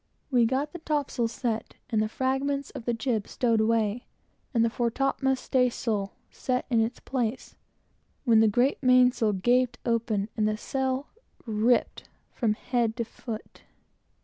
We got the topsails set, and the fragments of the jib stowed away, and the fore topmast staysail set in its place, when the great mainsail gaped open, and the sail ripped from head to foot.